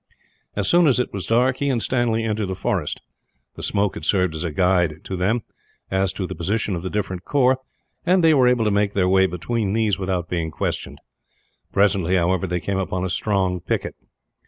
As soon as it was dark, he and Stanley entered the forest. The smoke had served as a guide, to them, as to the position of the different corps; and they were able to make their way between these without being questioned. Presently, however, they came upon a strong picket.